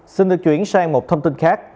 xin được chuyển sang một thông tin khác